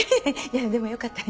いやでもよかった。